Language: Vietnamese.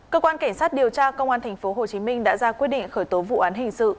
cơ quan cảnh sát điều tra công an tp hcm đã ra quyết định khởi tố vụ án hình sự